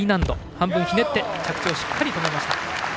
半分ひねって着地をしっかり止めました。